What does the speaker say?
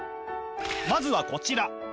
まずはこちら！